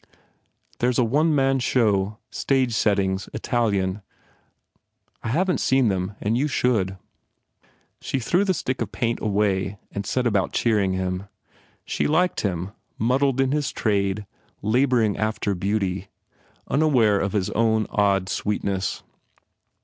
There s a one man show. Stage settings. Italian. I haven t seen them and you should." She threw the stick of paint away and set about cheering him. She liked him, muddled in his trade, labouring after beauty, unaware of his own odd sweetness.